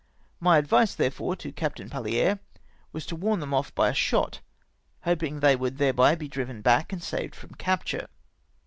My advice, therefore, to Captain Palhere was to warn them off by a shot — hoping they would thereby be driven back and saved from captm e.